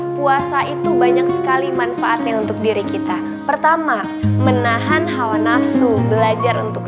puasa itu banyak sekali manfaatnya untuk diri kita pertama menahan hawa nafsu belajar untuk